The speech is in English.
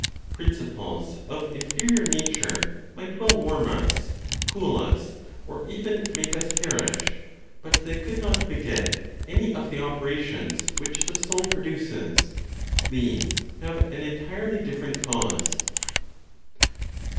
Principles of inferior nature might well warm us, cool us, or even make us perish; but they could not beget any of the operations which the soul produces; these have an entirely different cause.